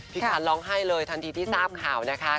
คันร้องไห้เลยทันทีที่ทราบข่าวนะคะ